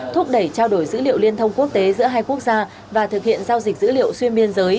thúc đẩy trao đổi dữ liệu liên thông quốc tế giữa hai quốc gia và thực hiện giao dịch dữ liệu xuyên biên giới